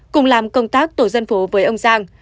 cùng làm công tác tổ dân phố với ông giang